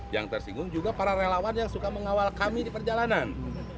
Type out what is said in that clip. yang tersinggung juga para relawan yang suka mengawal kami di perjalanan